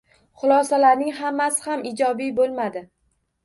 Xulosalarning hammasi ham ijobiy bo‘lmadi.